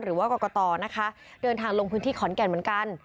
หรือว่ากรกตนะคะเดินทางลงพื้นที่ขอนแก่นเหมือนกัน